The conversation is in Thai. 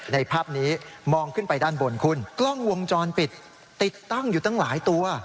ในภาพนี้มองขึ้นไปด้านบนคุณกล้องวงจรปิดติดตั้งอยู่ตั้งหลายตัว